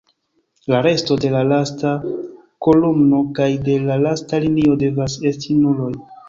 La resto de la lasta kolumno kaj de la lasta linio devas esti nuloj.